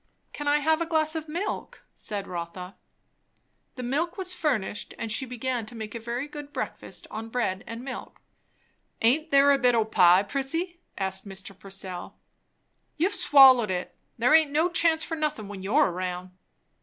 "Can I have a glass of milk?" said Rotha. The milk was furnished, and she began to make a very good breakfast on bread and milk. "Aint there a bit o' pie, Prissy?" asked Mr. Purcell. "You've swallowed it. There aint no chance for nothin' when you're round."